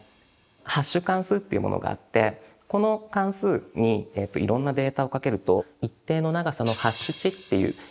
ハッシュ関数っていうものがあってこの関数にいろんなデータをかけると一定の長さのハッシュ値っていう要約を出してくれる。